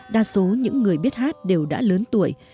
đa số những người biết hát đều đã lớn tuổi